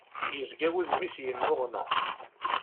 Yezga wudem-is yennuɣna.